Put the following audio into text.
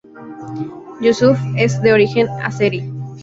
Yusuf es de origen azerí.